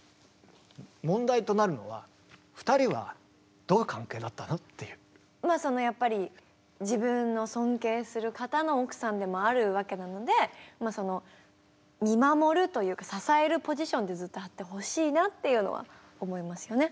問題となるのはまあやっぱり自分の尊敬する方の奥さんでもあるわけなのででずっとあってほしいなっていうのは思いますよね。